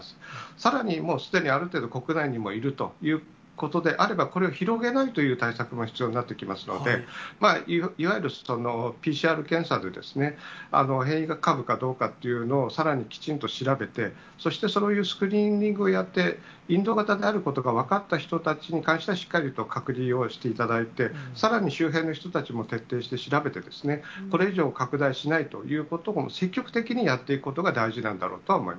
さらに、もうすでにある程度、国内にもいるということであれば、これを広げないという対策も必要になってきますので、いわゆるＰＣＲ検査で、変異株かどうかっていうのを、さらにきちんと調べて、そしてそういうスクリーニングをやって、インド型であることが分かった人たちに関しては、しっかりと隔離をしていただいて、さらに周辺の人たちも徹底して調べてですね、これ以上拡大しないということを、積極的にやっていくことが大事なんだろうとは思い